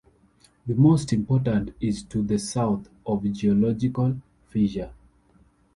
The most important is to the south of the geological fissure.